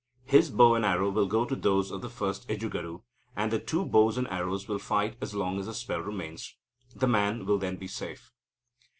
His bow and arrow will go to those of the first Ejjugadu, and the two bows and arrows will fight as long as the spell remains. The man will then be safe.